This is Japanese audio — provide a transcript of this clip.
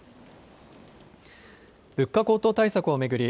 物価高騰対策を巡り